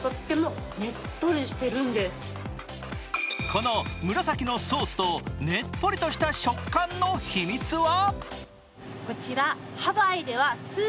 この紫のソースと、ねっとりとした食感の秘密は？